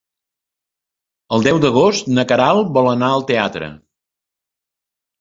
El deu d'agost na Queralt vol anar al teatre.